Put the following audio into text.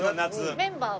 メンバーは？